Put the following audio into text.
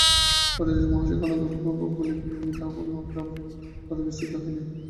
ভট্টাচার্য মহাশয়কে অনুগ্রহপূর্বক বলিবে, আমি তাঁহার ফনোগ্রাফের কথা বিস্মৃত হই নাই।